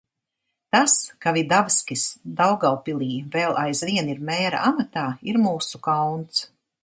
Tas, ka Vidavskis Daugavpilī vēl aizvien ir mēra amatā, ir mūsu kauns.